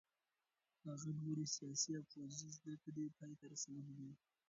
هغه لوړې سیاسي او پوځي زده کړې پای ته رسولې وې.